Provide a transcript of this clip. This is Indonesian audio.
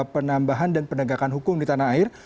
penambahan dan penegakan hukum di tanah air